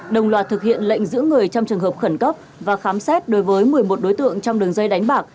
đồng loạt thực hiện lệnh giữ người trong trường hợp khẩn cấp và khám xét đối với một mươi một đối tượng trong đường dây đánh bạc